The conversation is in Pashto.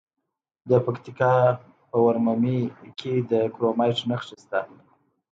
د پکتیکا په ورممی کې د کرومایټ نښې شته.